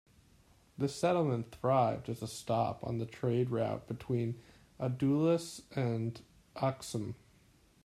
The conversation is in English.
The settlement thrived as a stop on the trade route between Adulis and Aksum.